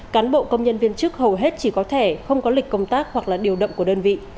cán bộ công nhân viên chức hầu hết chỉ có thẻ không có lịch công tác hoặc là điều động của đơn vị